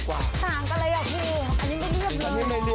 ต่างกันเลยอ่ะพี่อันนี้เงียบเลย